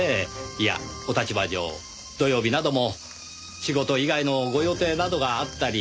いやお立場上土曜日なども仕事以外のご予定などがあったり。